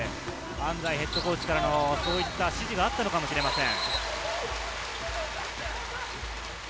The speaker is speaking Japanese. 安齋ヘッドコーチからのそういった指示があったのかもしれません。